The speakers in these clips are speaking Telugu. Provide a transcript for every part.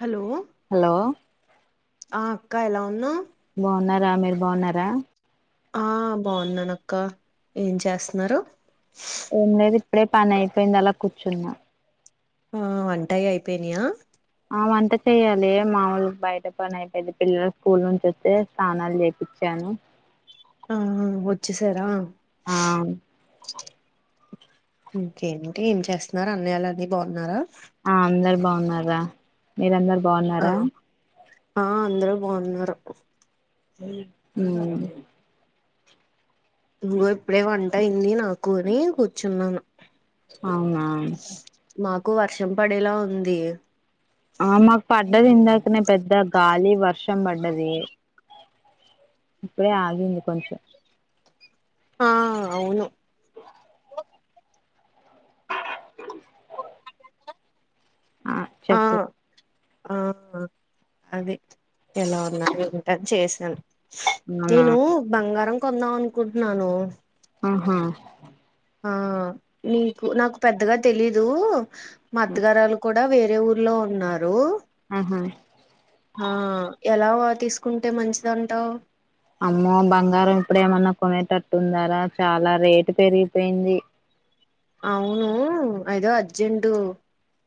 హలో హలో ఆ అక్క ఎలా ఉన్నవ్ బాన్నా రా మీరు బావున్నారా ఆ బావున్నానక్క ఏం చేస్తన్నారు ఏం లేదు ఇప్పుడే పనైపొయింది అలా కుర్చున్నా ఆ వంటయి అయిపొయినియా ఆ వంట చెయ్యాలి మాముూలు బయట పనైపోయింది పిల్లల స్కూల్ నుంచి వస్తే స్నానాలు చేపిచాను ఆ ఆ వచ్చి సరా ఆ ఇంకేంటి ఏం చేస్తున్నారు అన్నియాలు అది బాగున్నారా ఆ అందరు బాగున్నారా మీరందరు ఆ బాగున్నారా ఆ అందరూ బాగున్నారు మ్మ్ ఇవగో ఇప్పుడే వంటైంది నాకు అని కూర్చున్నాను అవునా మాకు వర్షం పడేలా ఉంది ఆ మాకు ఇందాకనే పెద్ద గాలి వర్షం బడ్డది ఇప్పుడే ఆగింది కొంచెం ఆ అవును ఆ చెప్పు ఆ అది ఎలా ఉన్నా ఉంట చేశాను అవునా నేను బంగారం కొందాం అనుకుంట్నాను ఆహ ఆ నీకు నాకు పెద్దగా తెలీదు మా అత్తగారాలు కూడా వేరే ఊర్లో ఉన్నారు ఆహా ఆ ఎలాగ తీసుకుంటే మంచిదంటావ్ అమ్మో బంగారం ఇప్పుడు ఏమన్నా కొనేటట్టుందా రా చాలా రేటు పెరిగిపోయింది అవును అదో అర్జెంట్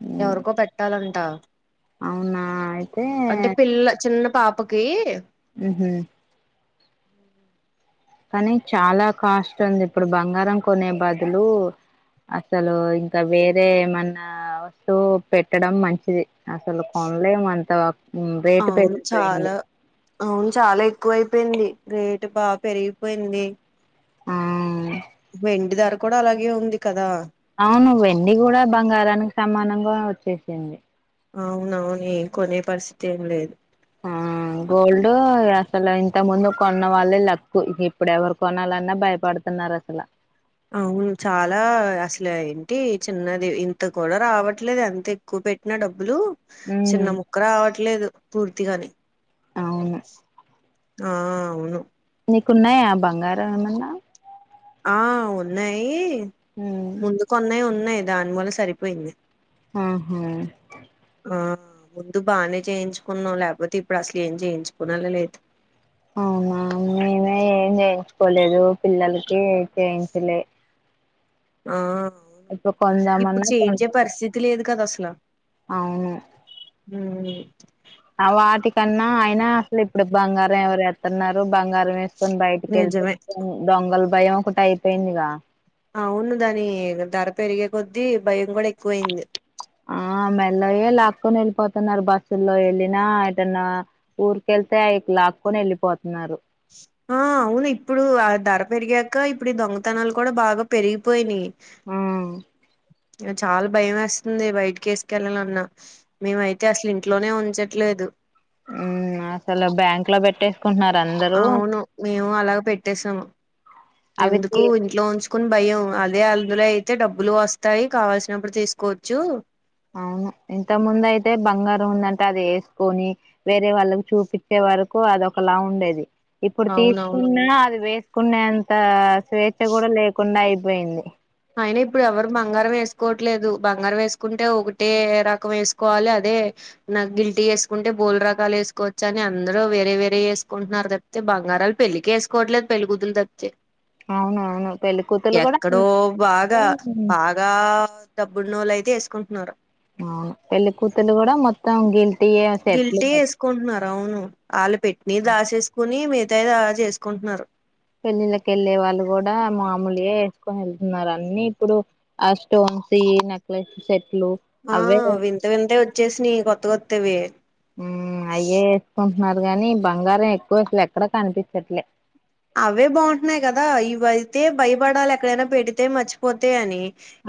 ఉమ్, ఎవరికో పెట్టాలంట అవునా అంటే పిల్ల చిన్న పాపకి ఊహు కానీ చాలా కాస్ట్ ఉంది ఇప్పుడు బంగారం కొనే బదులు అసలు ఇంక వేరే ఏమన్నా వస్తువు పెట్టడం మంచిది అసలు కొన్లేం మంటవా అవును చాలా అవును చాలా ఎక్కువయి పొయింది రేట్ బా పెరిగిపోయింది ఆ వెండి ధర కూడా అలాగే ఉంది కదా అవును వెండి కూడా బంగారానికి సమానంగా వచ్చేసింది అవునవును ఏం కొనే పరిస్థితి ఏం లేదు ఆ గోల్డ్ అసలు ఇంత ముందు కొన్న వాళ్ళే లక్కు ఇప్పుడు ఎవరు కొనాలన్నా భయపడుత తున్నారసలా అవును చాలా అసలు ఏంటి చిన్నది ఇంత కూడా రావట్లేదు అంత ఎక్కువ పెట్టిన డబ్బులు చిన్న ఉమ్ ముక్క రావట్లేదు పూర్తిగాని అవును ఆ అవును నీకున్నాయా బంగారం ఏమన్నా ఆ ఉన్నాయి ఉమ్ ముందుకొన్నాయి ఉన్నాయి దానిమూల సరిపోయింది ఆహా ఆ ముందు బాగానే చేయించుకున్నాం లేకపోతే ఇప్పుడు అసలు ఏం చేయించుకునేలా లేదు అవునా మేమే ఏమ్ చే పోలేదు పిల్లలకి చేయించలే ఆ ఇప్పుడు ఇప్పుడు కొందామన్నా చేయించే కొనలేక పరిస్థితి లేదు కదా అసలు అవును ఉం వాటికన్నా అయినా అసలు ఇప్పుడు బంగారం ఎవరు ఎతన్నారు బంగారం వేసుకొని బయటికి వెళ్తే నిజమే. దొంగల భయం ఒకటి అయిపోయిందిగా అవును దాని ధర పెరిగే కొద్దీ భయం కూడా ఎక్కువ అయింది ఆ మెల్లో యే లాక్కోని వెళ్ళిపోతున్నారు బస్సుల్లో వెళ్ళిన ఎటన్నా ఊరికి వెళ్తే లాక్కోని వెళ్ళిపోతున్నారు ఆ అవును ఇప్పుడు ఆ ధర పెరిగాక ఇప్పుడు దొంగతనాలు కూడా బాగా పెరిగిపోయినయి ఉమ్ చాలా భయం వేస్తుంది బయటికి వేసుకెళ్ళాలన్నా మేమయితే అసలు ఇంట్లోనే ఉంచట్లేదు ఉం అసలు బ్యాంక్ లో పేట్టే అవును మేము అలాగ పెట్టేసాము అవి ఎందుకు తీ ఇంట్లో ఉంచు కుని భయం అదే అందులో అయితే డబ్బులు వస్తాయి కావాల్సినప్పుడు తీసుకోవచ్చు అవును ఇంతక ముందు అయితే బంగారం ఉందంటే అది వేసుకొని వేరే వాళ్ళకు చూపిచ్చే వరకు అది ఒకలా ఉండేది ఇప్పుడు అవునవును. తీసుకున్న అది వేస్ కునేంత స్వేచ్ఛ కూడా లేకుండా అయిపోయింది అయినా ఇప్పుడు ఎవరు బంగారం వేసుకోవట్లేదు బంగారు వేసుకుంటే ఒకటే రకం వేసుకోవాలి అదే నా గిల్టీ వేసుకుంటే బోలు రకాలు వేసుకోవచ్చు అని అందరు వేరే వేరే వేసుకుంటున్నారు తప్పితే బంగారాలు పెళ్ళకి వేసుకోవట్లేదు పెళ్లి కుతులు తప్పితే అవునవును పెళ్లికూతులు కూడా ఎక్కడో బాగా బాగా డబ్బునోళ్లు అయితే వేసుకుంటున్నారు అవును పెళ్లి కూతులు కూడా మొత్తం గిల్ గిల్టీ వేసుకుంటున్నారు అవును వాళ్ళ పెట్టిని దాసేసుకుని మీ చేసుకుంటున్నారు పెళ్ళిళ్ళకి వెళ్ళే వాళ్ళు కూడా మామూలుయే వేసుకొని వెళ్తున్నారు అన్ని ఇప్పుడు ఆ స్టో నెక్లస్ సెట్లు అవే వచ్చేసిని కొత్త కొత్తవి ఉం అయ్యే వేసుకుంటున్నారు గాని బంగారం ఎక్కువ అసలు ఎక్కడ కనిపించట్లే అవే బాగుంటున్నాయి కదా ఇవయితే భయపడాలి ఎక్కడైనా పెడితే మర్చిపోతే అని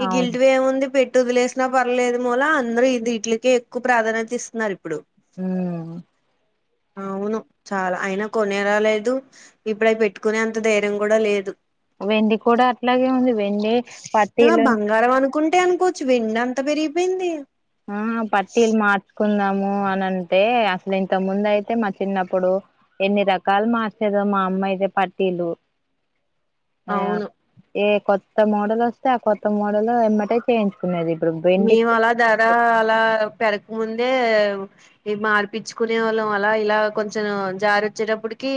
ఈ అవును గిల్డ్ వి ఏముంది పెట్టి వదిలేసినా పర్లేదు మూల అందరూ ఇదీట్లికే ఎక్కువ ప్రాధాన్యత ఇస్తున్నారు ఇప్పుడు ఉమ్ అవును చాలా అయినా కొనేరా లేదు ఇప్పుడ అవి పెట్టుకునే అంత ధైర్యం కూడా లేదు వెండి కూడా అట్లాగే ఉంది వెండి పట్టీలును కుంటే అనుకోవచ్చు వెండి అంత పెరిగిపోయింది. ఆ పట్టీల్ మాత్ కుందాము అని అంటే అసలు ఇంత ముందు అయితే మా చిన్నప్పుడు ఎన్ని రకాలు మార్చేదా మా అమ్మా అయితే పట్టీలు అయ అవును ఏ కొత్త మోడల్ వస్తే ఆ కొత్త మోడల్ ఎమ్మటే చేయించుకునేది. ప్పుడు వెండి [inaudible] ఆ అలా పెరక్కముందే మార్పిచ్చుకునే వాళ్ళం అలా ఇలా కొంచెం జార వచ్చేటప్పుటికి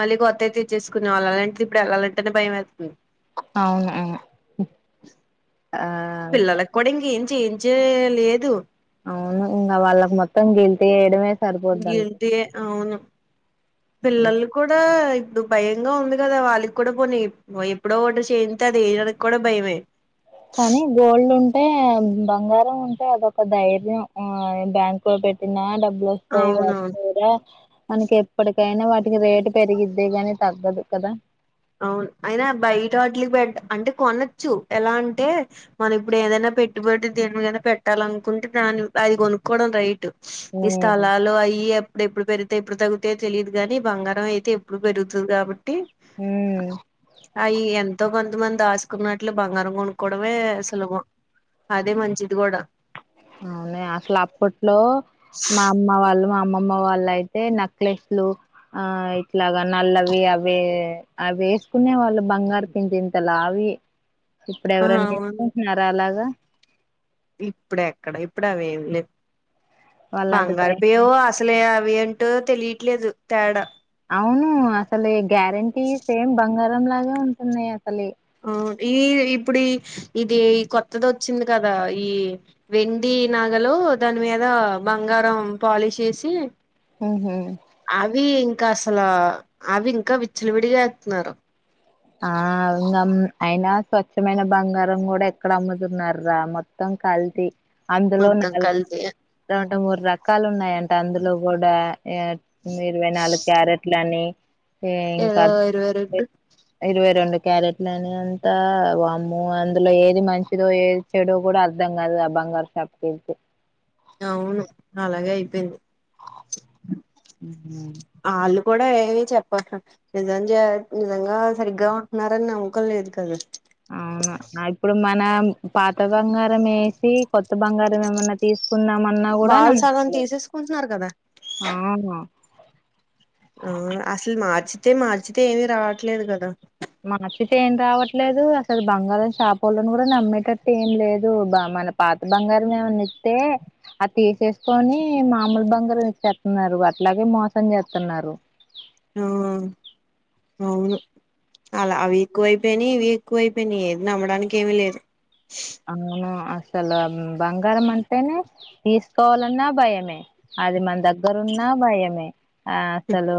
మళ్ళీ కొత్తవి తెచ్చేసుకున్నాం అలాంటిది ఇప్పుడు వెల్లాలంటేనే భయం వేత్తంది. అవును ఆ పిల్లలకు కూడా ఇంకేం చేయించే లేదు. అవును ఇంకా వాళ్ళకి మొత్తం గెల్తి వేయడమే సరిపోద్దండి గిల్తి ఏ అవును పిల్లలు కూడా ఇ భయంగా ఉంది కదా వాళ్ళకి కూడా పోనీ ఎప్పుడో ఓటర్ చేయింత అది వేయడానికి కూడా భయమే. కానీ గోల్డ్ ఉంటే బంగారం ఉంటే అదొక ధైర్యం ఆ బ్యాంక్ లో పెట్టిన డబ్బ్ స్తాయ్ అవునవును వత్తయ్రా మనకి ఎప్పటికైనా వాటికి రేటు పెరిగిద్దే కాని తగ్గదు కదా? అవును అయినా బయట వాటికి పెట్ అంటే కొనొచ్చు ఎలా అంటే మన ఇప్పుడు ఏదైనా పెట్టుబడి దేనికైనా పెట్టాల అనుకుంటే దాన్ని అది కొనుక్కోవడం రైటు ఈ ఉమ్ స్థలాలు అయి ఎప్పుడెప్పుడు పెరుగు ఎప్పుడు తగ్గుతయో తెలియదు కాని బంగారం అయితే ఎప్పుడు పెరుగుతది కాబట్టి ఉమ్ అయ్యి ఎంతో కొంత కొంతమంది దాసుకున్నట్లు బంగారం కొనుక్కోవడమే సులభం అదే మంచిది కూడా అవునే అసలు అప్పట్లో మా అమ్మ వాళ్ళు మా అ అమ్మమ్మ వాళ్ళు అయితే నక్లెస్ లు ఆ ఇట్లాగా నల్లవి అవ్వె అవి వేసుకునే వాళ్ళు బంగారు పింతింత లావి ఇప్పుడు ఆ ఎవరన్నా అవును వేస్కుంటున్నారా అలాగా ఇప్పుడు ఎక్కడ ఇప్పుడు అవేవి లేవ్ వాళ్ళంత బంగారు పేవ ధైర్యం అసలే అవి ఎంటో తెలియట్లేదు తేడా అవును అసలు గ్యారెంటీవి సేమ్ బంగారం లాగే ఉంటున్నాయి అసలీ ఆ ఈ ఇప్పుడు ఇది ఈ కొత్తది వచ్చింది కదా ఈ వెండి ఈ నగలు దాని మీద బంగారం పాలిష్ చేేసి ఊహు ఇంకా అసలా అవి ఇంకా విచ్చలువిడిగా వేత్నారు. ఆ ఇంకా అయినా స్వచ్ఛమైన బంగారం కూడా ఎక్కడ అమ్ముతున్నార్రా మొత్తం కల్తీ అందులో మొత్తం నాలుగు కలిపి రెండు మూడు రకాలు ఉన్నాయం అందులో కూడా ఆ ఇరవై నాలుగు క్యారెట్లు అని ఏ ఇంకా రెట్టు ఇరవై రెండు క్యారెట్లు అని అంతా వామ్మో అందులో ఏది మంచిదో ఏది చెడో కూడా అర్ధం కా దు అ బంగారు షాపుకెళ్తే అవును అలాగే అయిపోయింది హ్మ్ వాళ్ళు కూడా ఏమీ చెప్ప నిజం నిజంగా సరిగ్గా ఉంటున్నారని నమ్మకం లేదు కదా అవును ఇప్పుడు మనం పాత బంగారం వేసి కొత్త బంగారం ఏమన్నా తీసు కున్నామన్నా కూడా వాళ్ళు సగం నమ్మకం లేదు తీసేసుకుంటున్నారు కదా ఆ ఆ అసలు మార్చితే మార్చితే ఏమి రావట్లేదు కదా మర్చితే ఏం రావట్లేదు అసలు బంగారం షాపోల్ని కూడా నమ్మేటట్టు ఏం లేదు బా మన పాత బంగారం ఏమనితే అది తీసేసుకొని మాముూలు బంగారు ఇచ్చేతున్నారు అట్లాగే మోసం చేస్తున్నారు ఆ అవును అలా అవి ఎక్కువ అయిపోయిన్ని ఇవి ఎక్కువ అయిపోయిన్ని ఏది నమ్మడానికి ఏమీ లేదు అవును అసలు బంగారం అంటేనే తీసుకోవాలన్నా భయమే అది మన దగ్గర ఉన్న భయమే ఆ అసలు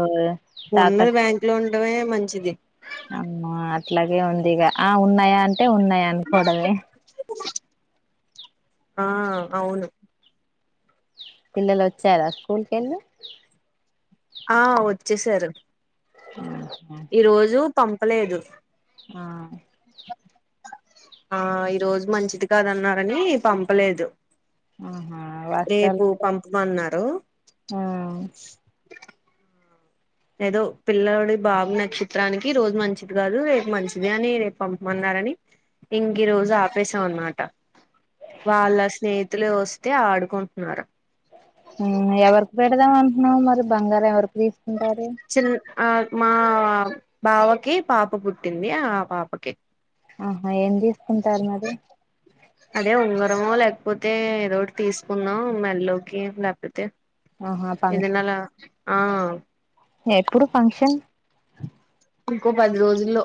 ఉన్నది బ్యాంక్ లో ఉండమే మంచిది అనా అట్లాగే ఉంది ఇక ఆ ఉన్నాయా అంటే ఉన్నాయి అనుకోడమే ఆ అవును పిల్లలోచ్చారా స్కూల్కెళ్ళి ఆ వచ్చేసేరు ఆ ఈ రోజు పంపలేదు ఆ ఆ ఈరోజు మంచిది కాదన్నారని పంపలేదు ఆహా వర్షాలు రేపు కూడా పంపమన్నారు ఆ ఏదో పిల్లడి బాబు నక్షత్రానికి ఈరోజు మంచిది కాదు రేపు మంచిది అని రేపు పంపమన్నరాని ఇంకీరోజు అప్ సం అన్నమాట వాళ్ళ స్నేహితులే వస్తే ఆడుకుంటున్నారు ఎవరికి పెడదాం అంటున్నావు మరి బంగారం ఎవరికి తీసుకుంటారు చిన్ ఆ మా బావకి పాప పుట్టింది ఆ పాపకి ఆహా ఏంది అదే ఉంగరమో లే లేకపోతే ఏదో ఒకటి తీసుకుందాం మెల్లోకి లేపోతే ఆహా ఏదన ఫంక్షన్ లా ఆ ఎప్పుడు ఫంక్షన్ ఇంకో పది రోజుల్లో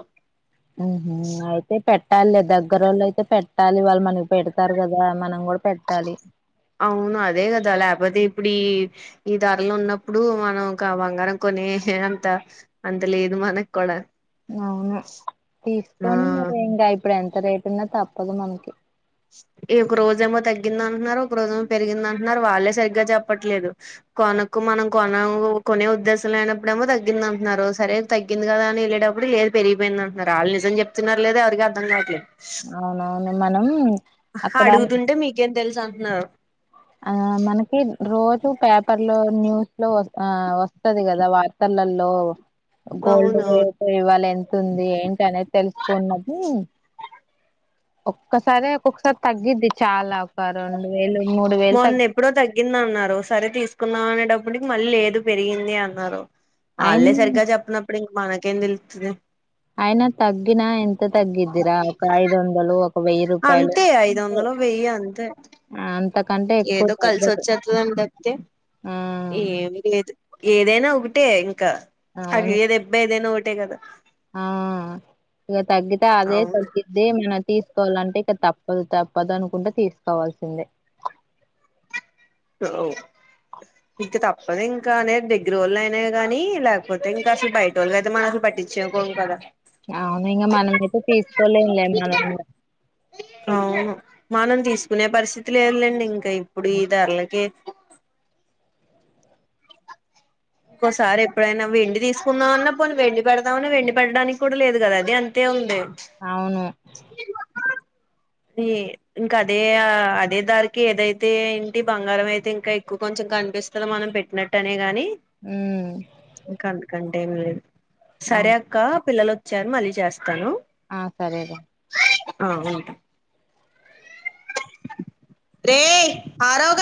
ఉహామ్ అయితే పెట్ పెట్టాలె దగ్గర వాళ్ళు అయితే పెట్టాలి వాళ్ళు మనకి పెడతారు కదా మనం కూడా పెట్టాలి అవును అదే కదా లేపోతే ఇప్పుడు ఈ ఈ ధరలు ఉన్నప్పుడు మనం బంగారం కొనే హ అంత అంతలేదు మనకుడా అవును తీసుకొండి ఆ మరి ఇంకా ఇప్పుడు ఎంత రేట్ ఉన్నా తప్పదు మనకి ఏ ఒక రోజ ఏమో తగ్గిందంటనారు ఒక రోజ ఏమో పెరిగిదంటనారు వాళ్ళే సరిగ్గా చెప్పట్లేదు కొనకు మనం కొన కొనే ఉద్దేశం లేనప్పుడేమో తగ్గింది అంటున్నారు సరే తగ్గింది కదా అని వెళ్ళేటప్పుడు లేదు పెరిగిపోయింది వాళ్ళు నిజం చెప్తున్నారో లేదా ఎవరికి అర్థం కావట్లేదు అవునా నిన్న అడుగుతుంటే మీకేం తెలుసు అంటున్నారు ఆ మనకి రోజు పేపర్ లో న్యూస్ లో వాస్ ఆ వస్తది కదా వార్తల్లో ల్లో గోల్డ్ అవునవును రేట్ ఇవాళ ఎంత ఉంది ఏంటి అనేది తెలుసుకున్నది ఒక్కసారి ఒక్కొక్కసారి తగ్గిద్ది చాలా ఒక రెండు వేలు మూడు వేలు మొన్న తగ్గి ఎప్పుడో తగ్గింది అన్నారు సరే తీసుకుందాం అనే టప్పు ప్పడికి మళ్ళీ లేదు పెరిగింది అన్నారు అయిన వాళ్ళే సరిగ్గా చెప్పినప్పుడు ఇంక మనకేం తెలుస్తది అయినా తగ్గిన ఎంత తగ్గిద్ది రా ఒక ఐదు వందలు వెయ్యి రూపాయలు అంతే ఐదు వందలు వెయ్యి అంతే అంతే అంత ఏదో కలిసి [unintelligible] ఆ ఏమి లేదు ఏదైనా ఒకటే ఇంకా అ అవును ఏ దెబ్బ ఏదైనా ఒకటే కదా ఆ ఇగా తగ్గితే అదే అవును తగ్గిద్ది నేను తీసుకోవాలంటే ఇక తప్పదు తప్పదు అనుకుంటే తీసుకోవాల్సిందే అవ్ ఇంకా తప్పదు ఇంకా అనే దగ్గర వోళ్ళు అయినా గానీ లేకపోతే ఇంకా అసలు బయట వోళ్ళు అయితే మనకి పట్టించు కోమ్ కదా అవును ఇంగ మనము అయితే తీసుకోలేంలే మనము అవును మనం తీసుకునే పరిస్థితి లేదులేండి ఇంకా ఇప్పుడు ఈ ధరలకి ఒసారి ఎప్పుడైనా వెండి తీసుకుందామన్నా పోనీ వెండి పెడతామన్నా వెండి పెడడానికి కూడా లేదు కదా అది అంతే ఉంది. అవును తీ ఇంకా అదే అదే ధరకి ఏదైతే ఏంటి బంగారం అయితే ఇంకా ఎక్కువ కొంచెం నిపిస్తది మనం పెట్టినట్టు ఆనే గాని ఉమ్ ఇంకా ఎంత కంటే ఏమి లేదు ఆ సరే అక్క పిల్లలు వచ్చారు మళ్ళీ చేస్తాను ఆ సరేరా ఆ వుంటా రేయ్ ఆరవక